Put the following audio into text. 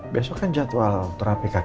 besok kan jadwal terapi you kan